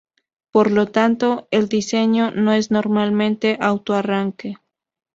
Por lo tanto, el diseño no es normalmente auto-arranque.